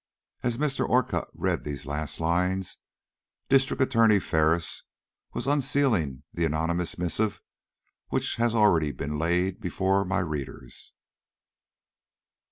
As Mr. Orcutt read these last lines, District Attorney Ferris was unsealing the anonymous missive which has already been laid before my readers.